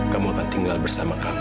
kamu akan tinggal bersama kami